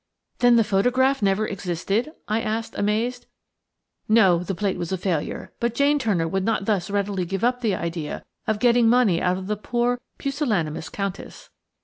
"Then the photograph never existed?" I asked amazed. "No; the plate was a failure, but Jane Turner would not thus readily give up the idea of getting money out of the poor, pusillanimous Countess.